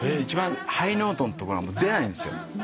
ハイノートのところが出ないんですよ。